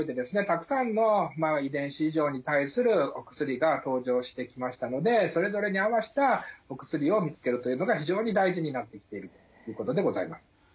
たくさんの遺伝子異常に対するお薬が登場してきましたのでそれぞれに合わせたお薬を見つけるというのが非常に大事になってきているということでございます。